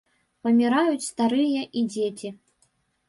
Паміраюць старыя і дзеці.